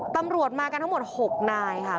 ตำรวจมากันทั้งหมด๖นายค่ะ